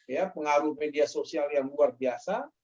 ya pengaruh media sosial yang luar biasa